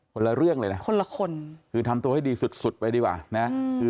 คนละเรื่องเลยนะคนละคนคือทำตัวให้ดีสุดสุดไปดีกว่านะคือ